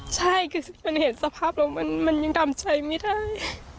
ใช่คือมันเห็นสภาพแล้วมันยังทำใจไม่ได้